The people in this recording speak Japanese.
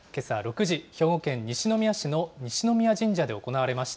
６時、兵庫県西宮市の西宮神社で行われました。